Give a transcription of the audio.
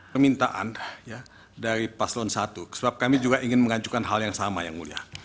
permintaan ya dari paslon satu sebab kami juga ingin mengajukan hal yang sama yang mulia